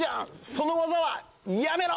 その技はやめろ！